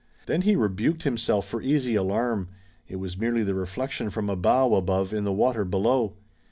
Then he rebuked himself for easy alarm. It was merely the reflection from a bough above in the water below.